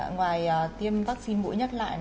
ngoài tiêm vaccine mũi nhắc lại